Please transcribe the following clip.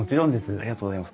ありがとうございます。